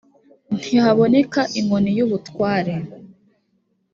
ntihaboneka inkoni y ubutware